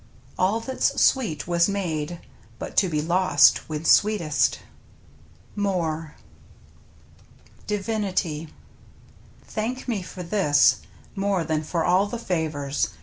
All that's sweet was made But to be lost when sweetest. — Moore. ^"'^" DIVINITY " Thank me for this, more than for all the favors.